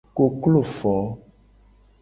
Koklo fo.